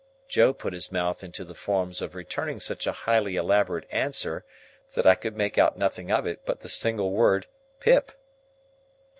Joe put his mouth into the forms of returning such a highly elaborate answer, that I could make out nothing of it but the single word "Pip."